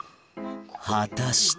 果たして？